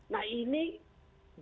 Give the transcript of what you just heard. nah ini tolong